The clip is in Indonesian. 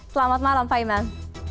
selamat malam pak imam